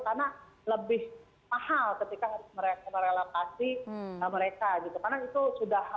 karena lebih mahal ketika harus merelokasi mereka